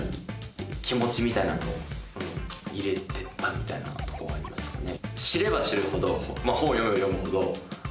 みたいなとこがありますかね。